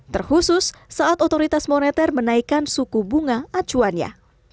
terkhusus saat otoritas moneter menaikkan suku bunga acuannya